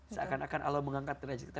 seakan akan allah mengangkat derajat kita